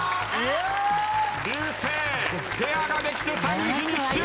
流星ペアができて３位フィニッシュ。